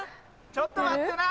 ちょっと待ってな。